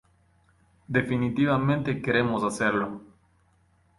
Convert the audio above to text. Definitivamente queremos hacerlo".